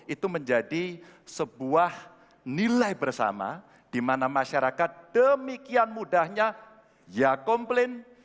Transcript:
itu menjadi sebuah nilai bersama di mana masyarakat demikian mudahnya ya komplain